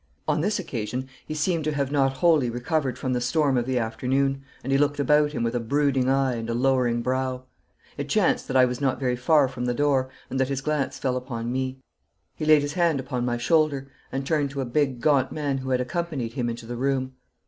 On this occasion he seemed to have not wholly recovered from the storm of the afternoon, and he looked about him with a brooding eye and a lowering brow. It chanced that I was not very far from the door, and that his glance fell upon me. 'Come here, Monsieur de Laval,' said he. He laid his hand upon my shoulder and turned to a big, gaunt man who had accompanied him into the room.